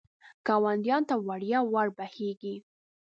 ګاونډیانو ته وړیا ور بهېږي.